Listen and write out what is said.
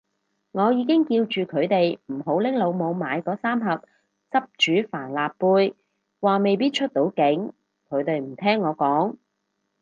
我已經叫住佢哋唔好拎老母買嗰三盒汁煮帆立貝，話未必出到境，佢哋唔聽我講